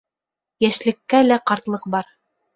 Йәшлеккә лә ҡартлыҡ бар